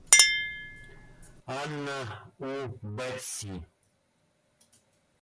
Анна у Бетси.